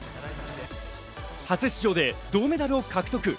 初出場で銅メダルを獲得。